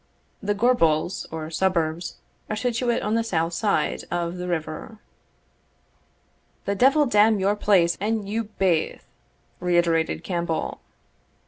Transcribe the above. * [The Gorbals or "suburbs" are situate on the south side of the River.] "The devil damn your place and you baith!" reiterated Campbell.